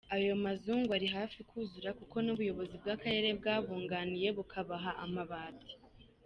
Ayo mazu ngo ari hafi kuzura kuko n’ubuyobozi bw’Akarere bwabunganiye bukabaha amabati.